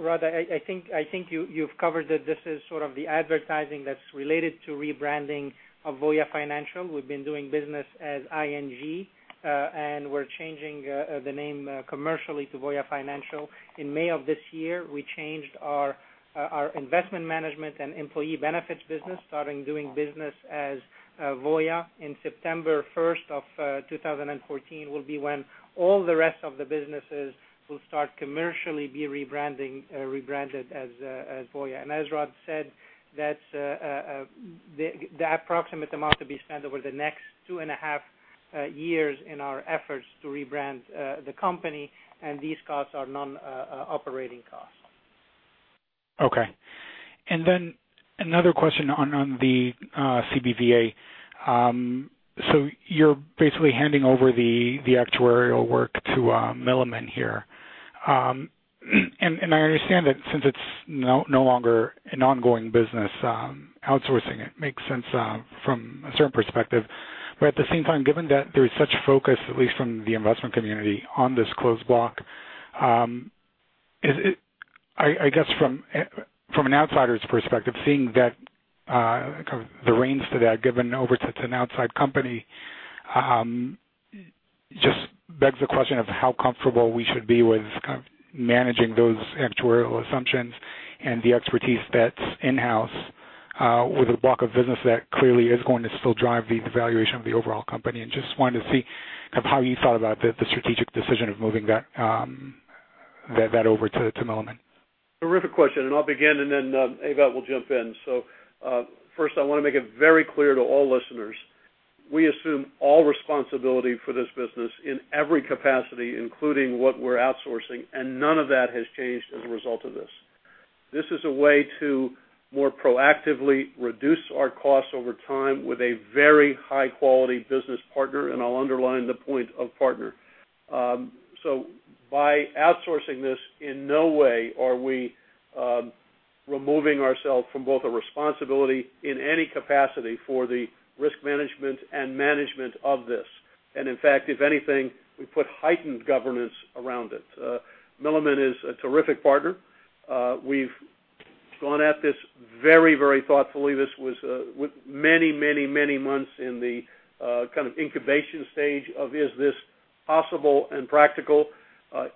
Rod, I think you've covered that this is sort of the advertising that's related to rebranding of Voya Financial. We've been doing business as ING, and we're changing the name commercially to Voya Financial. In May of this year, we changed our Investment Management and Employee Benefits business, starting doing business as Voya. September 1st of 2014 will be when all the rest of the businesses will start commercially be rebranded as Voya. As Rod said, that's the approximate amount to be spent over the next two and a half years in our efforts to rebrand the company, and these costs are non-operating costs. Another question on the CBVA. You're basically handing over the actuarial work to Milliman here. I understand that since it's no longer an ongoing business, outsourcing it makes sense from a certain perspective. At the same time, given that there is such focus, at least from the investment community, on this closed block, I guess from an outsider's perspective, seeing that kind of the reins to that given over to an outside company, just begs the question of how comfortable we should be with kind of managing those actuarial assumptions and the expertise that's in-house, with a block of business that clearly is going to still drive the valuation of the overall company. Just wanted to see kind of how you thought about the strategic decision of moving that over to Milliman. Terrific question, and I'll begin, and then Ewout will jump in. First I want to make it very clear to all listeners, we assume all responsibility for this business in every capacity, including what we're outsourcing, and none of that has changed as a result of this. This is a way to more proactively reduce our costs over time with a very high-quality business partner, and I'll underline the point of partner. By outsourcing this, in no way are we removing ourselves from both a responsibility in any capacity for the risk management and management of this. In fact, if anything, we put heightened governance around it. Milliman is a terrific partner. We've gone at this very thoughtfully. This was with many months in the kind of incubation stage of, is this possible and practical?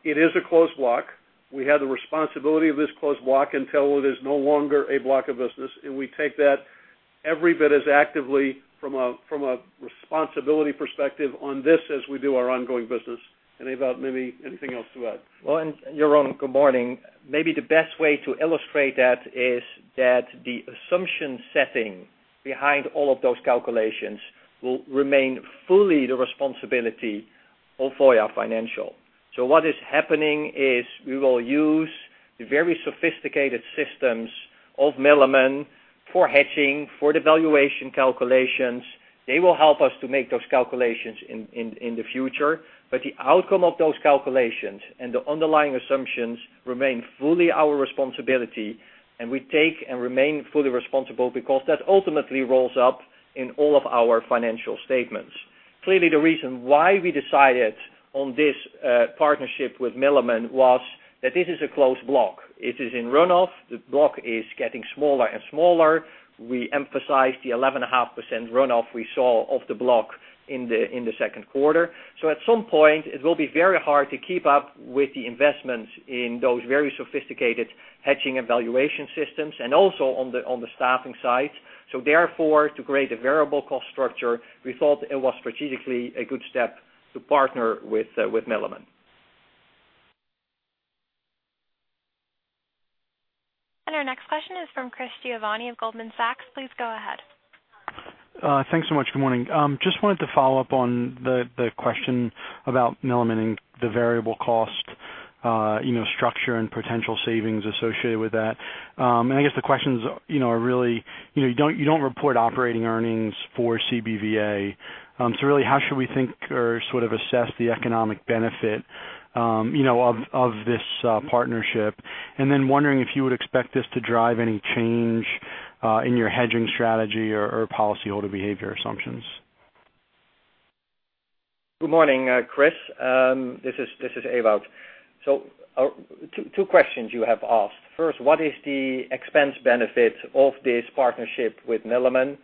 It is a closed block. We have the responsibility of this closed block until it is no longer a block of business, we take that every bit as actively from a responsibility perspective on this as we do our ongoing business. Ewout, maybe anything else to add? Well, Yaron, good morning. Maybe the best way to illustrate that is that the assumption setting behind all of those calculations will remain fully the responsibility of Voya Financial. What is happening is we will use the very sophisticated systems of Milliman for hedging, for the valuation calculations. They will help us to make those calculations in the future. The outcome of those calculations and the underlying assumptions remain fully our responsibility, and we take and remain fully responsible because that ultimately rolls up in all of our financial statements. Clearly, the reason why we decided on this partnership with Milliman was that this is a closed block. It is in runoff. The block is getting smaller and smaller. We emphasize the 11.5% runoff we saw of the block in the second quarter. At some point, it will be very hard to keep up with the investments in those very sophisticated hedging and valuation systems, and also on the staffing side. Therefore, to create a variable cost structure, we thought it was strategically a good step to partner with Milliman. Our next question is from Chris Giovanni of Goldman Sachs. Please go ahead. Thanks so much. Good morning. Just wanted to follow up on the question about Milliman and the variable cost structure and potential savings associated with that. I guess the questions are really, you don't report operating earnings for CBVA, so really how should we think or sort of assess the economic benefit of this partnership? Then wondering if you would expect this to drive any change in your hedging strategy or policyholder behavior assumptions. Good morning, Chris. This is Ewout. Two questions you have asked. First, what is the expense benefit of this partnership with Milliman?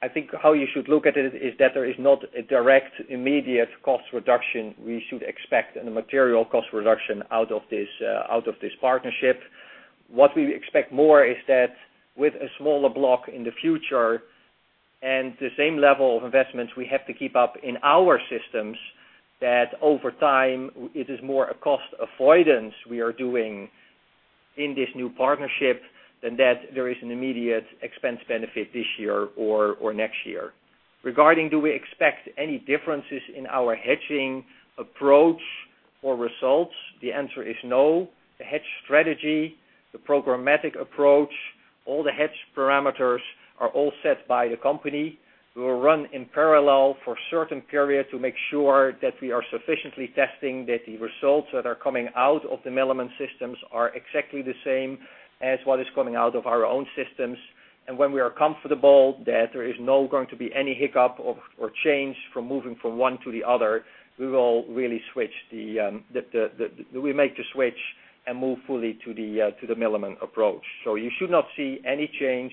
I think how you should look at it is that there is not a direct immediate cost reduction we should expect and a material cost reduction out of this partnership. What we expect more is that with a smaller block in the future and the same level of investments we have to keep up in our systems, that over time it is more a cost avoidance we are doing in this new partnership than that there is an immediate expense benefit this year or next year. Regarding do we expect any differences in our hedging approach or results, the answer is no. The hedge strategy, the programmatic approach, all the hedge parameters are all set by the company. We will run in parallel for a certain period to make sure that we are sufficiently testing that the results that are coming out of the Milliman systems are exactly the same as what is coming out of our own systems. When we are comfortable that there is not going to be any hiccup or change from moving from one to the other, we make the switch and move fully to the Milliman approach. You should not see any change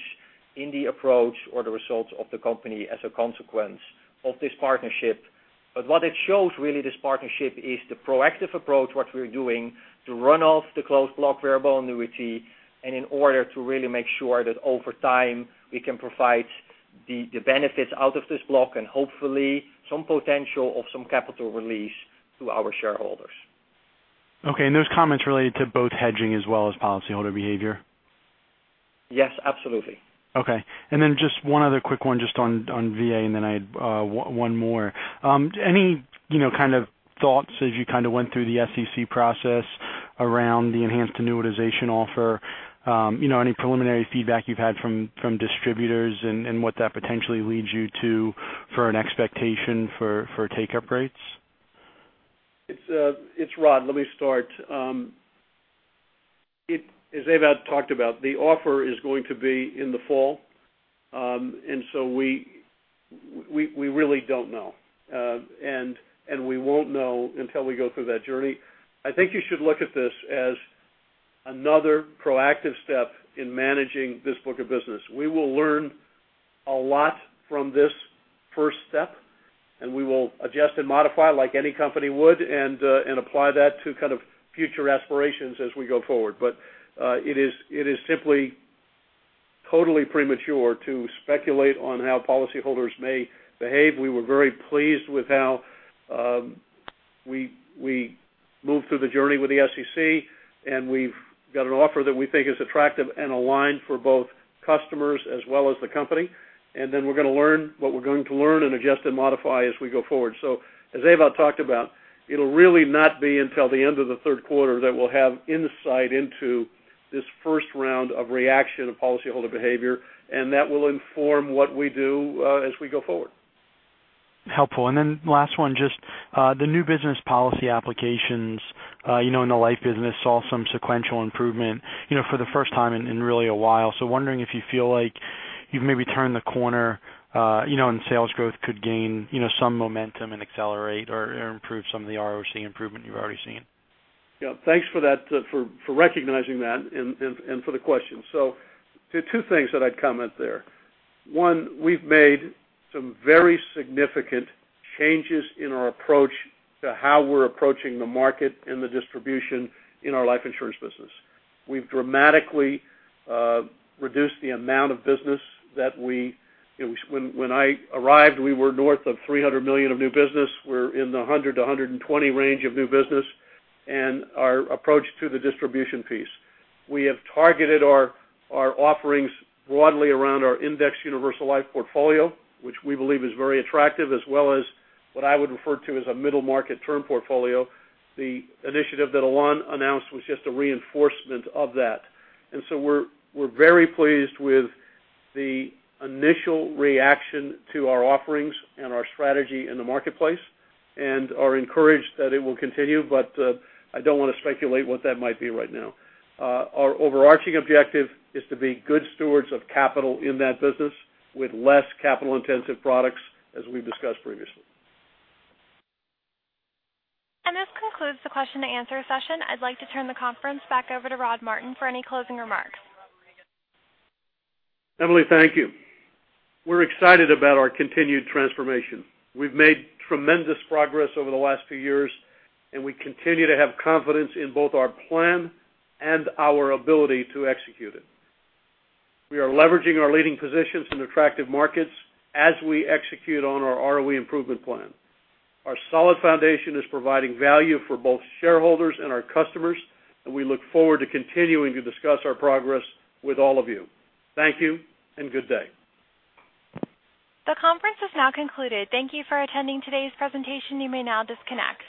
in the approach or the results of the company as a consequence of this partnership. What it shows really, this partnership, is the proactive approach, what we're doing to run off the closed block variable annuity and in order to really make sure that over time we can provide the benefits out of this block and hopefully some potential of some capital release to our shareholders. Okay, those comments related to both hedging as well as policyholder behavior? Yes, absolutely. Okay, then just one other quick one just on VA, then I had one more. Any kind of thoughts as you went through the SEC process around the enhanced annuitization offer? Any preliminary feedback you've had from distributors and what that potentially leads you to for an expectation for take-up rates? It's Rod, let me start. As Ewout talked about, the offer is going to be in the fall, we really don't know. We won't know until we go through that journey. I think you should look at this as another proactive step in managing this book of business. We will learn a lot from this first step, we will adjust and modify like any company would and apply that to kind of future aspirations as we go forward. It is simply totally premature to speculate on how policyholders may behave. We were very pleased with how we moved through the journey with the SEC, we've got an offer that we think is attractive and aligned for both customers as well as the company. Then we're going to learn what we're going to learn and adjust and modify as we go forward. As Ewout talked about, it'll really not be until the end of the third quarter that we'll have insight into this first round of reaction of policyholder behavior, that will inform what we do as we go forward. Helpful. Last one, just the new business policy applications in the life business saw some sequential improvement for the first time in really a while. Wondering if you feel like you've maybe turned the corner and sales growth could gain some momentum and accelerate or improve some of the ROC improvement you've already seen. Yeah, thanks for recognizing that and for the question. Two things that I'd comment there. One, we've made some very significant changes in our approach to how we're approaching the market and the distribution in our life insurance business. We've dramatically reduced the amount of business that when I arrived, we were north of $300 million of new business. We're in the $100 million to $120 million range of new business and our approach to the distribution piece. We have targeted our offerings broadly around our indexed universal life portfolio, which we believe is very attractive, as well as what I would refer to as a middle market term portfolio. The initiative that Alain announced was just a reinforcement of that. We're very pleased with the initial reaction to our offerings and our strategy in the marketplace and are encouraged that it will continue, I don't want to speculate what that might be right now. Our overarching objective is to be good stewards of capital in that business with less capital-intensive products, as we've discussed previously. This concludes the question and answer session. I'd like to turn the conference back over to Rodney Martin for any closing remarks. Emily, thank you. We're excited about our continued transformation. We've made tremendous progress over the last few years. We continue to have confidence in both our plan and our ability to execute it. We are leveraging our leading positions in attractive markets as we execute on our ROE improvement plan. Our solid foundation is providing value for both shareholders and our customers. We look forward to continuing to discuss our progress with all of you. Thank you and good day. The conference is now concluded. Thank you for attending today's presentation. You may now disconnect.